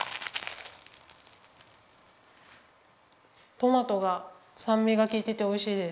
トマトがさんみがきいてておいしいです。